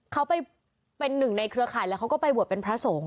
เขาไปเป็นหนึ่งในเครือข่ายแล้วเขาก็ไปบวชเป็นพระสงฆ์